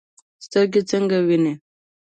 سترګې څنګه ویني؟